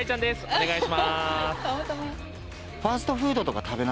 お願いします。